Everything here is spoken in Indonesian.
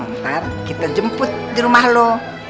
ntar kita jemput di rumah lo